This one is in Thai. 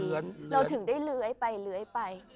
เราถึงได้ลื้อให้ไป